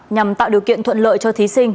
nhằm tạo điều kiện thuận lợi cho thí sinh